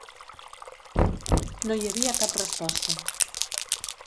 No hi havia cap resposta.